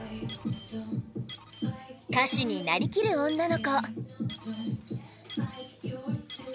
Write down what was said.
歌手になりきる女の子